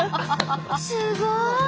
すごい！